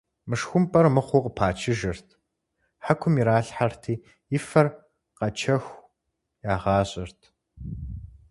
Мышхумпӏэр мыхъуу къыпачыжырт, хьэкум иралъхьэрти, и фэр къэчэху, ягъажьэрт.